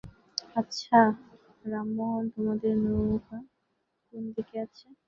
আচ্ছ, রামমােহন তােমাদের নৌকা কোন দিকে আছে?